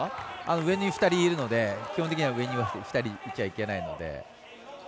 上に２人いるので基本的には上に２人いちゃいけないので。